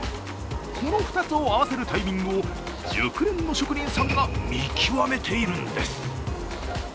この２つを合わせるタイミングを熟練の職人さんが見極めているんです。